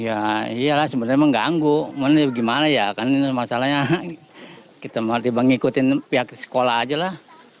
ya iyalah sebenarnya mengganggu gimana ya karena ini masalahnya kita mengikuti pihak sekolah aja lah